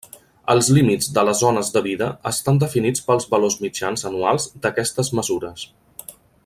Els límits de les zones de vida estan definits pels valors mitjans anuals d’aquestes mesures.